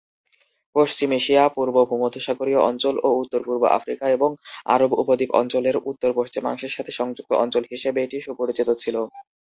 পশ্চিম Asia, পূর্ব ভূমধ্যসাগরীয় অঞ্চল ও উত্তর-পূর্ব আফ্রিকা এবং আরব উপদ্বীপ অঞ্চলের উত্তর-পশ্চিমাংশের সাথে সংযুক্ত অঞ্চল হিসেবে এটি সুপরিচিত ছিল।